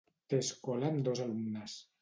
Té escola amb dos alumnes.